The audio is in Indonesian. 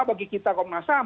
bagi kita komnas ham